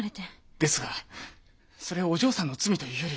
ですがそれはお嬢さんの罪というより。